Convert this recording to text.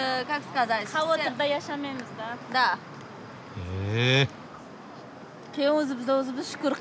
へえ。